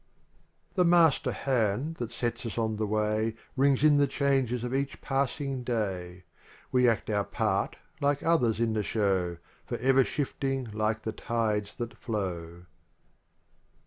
uevui The master hand that set us on the way Rings in the changes of each passing day. We act our part like others in the show. Forever shifting like the tides that Row.